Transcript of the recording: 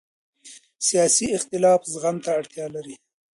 سیاسي اختلاف زغم ته اړتیا لري